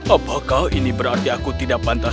opoko ini berarti aku tidak pantas